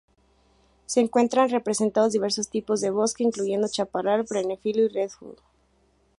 Se encuentran representados diversos tipos de bosque, incluyendo chaparral, perennifolio, y redwood.